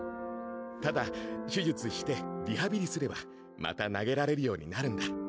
ただ手術してリハビリすればまた投げられるようになるんだ